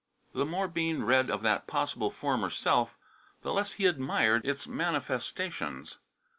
The more Bean read of that possible former self, the less he admired its manifestations.